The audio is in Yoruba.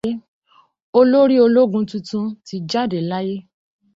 Olórí ológun tuntun ti jáde láyé.